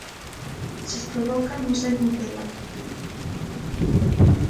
Se os provoca, non saímos dela.